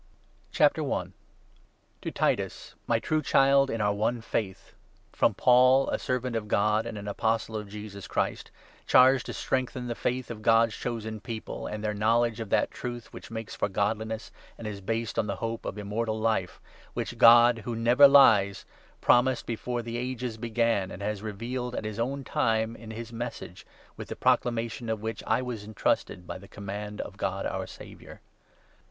TO TITUS. I. — INTRODUCTION. To Titus, my true Child in our one Faith, 1 4 ""*• FROM Paul, a servant of God, and an Apostle of Jesus Christ, charged to strengthen the faith of God's Chosen People, and their knowledge of that Truth which makes for godliness and is based on the hope of Immortal Life, which God, who never lies, promised before the ages began, and has revealed at his own time in his Message, with the proclamation of which I was entrusted by the command of God our Saviour.